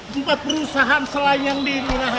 buat perusahaan selain yang di